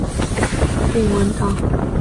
开放打包约定文档。